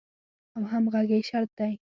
او همغږۍ شرط دی.